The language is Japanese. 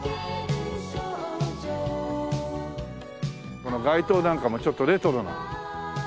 この街灯なんかもちょっとレトロな。